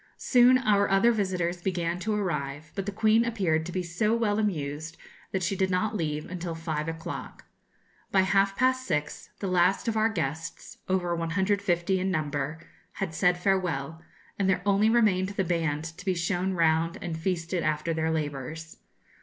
Soon our other visitors began to arrive; but the Queen appeared to be so well amused that she did not leave until five o'clock. By half past six, the last of our guests (over 150 in number) had said farewell, and there only remained the band to be shown round and feasted after their labours.